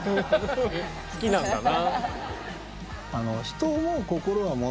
好きなんだなあ。